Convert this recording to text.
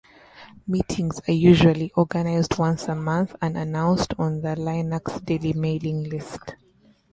Meetings are usually organized once a month and announced on the linux-delhi mailing-list.